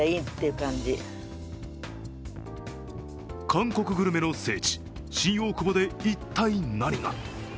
韓国グルメの聖地・新大久保で一体何が。